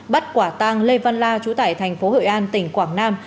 bắt quả tang lê văn la chủ tải tp hội an tỉnh quảng nam